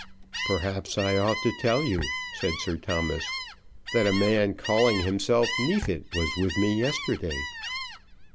"Perhaps I ought to tell you," said Sir Thomas, "that a man calling himself Neefit was with me yesterday."